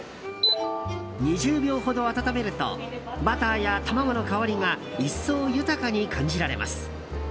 ２０秒ほど温めるとバターや卵の香りが一層豊かに感じられます。